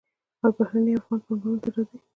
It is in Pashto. آیا بهرنی افغانان پانګونې ته راځي؟